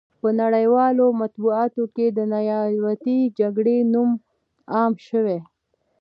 په نړیوالو مطبوعاتو کې د نیابتي جګړې نوم عام شوی.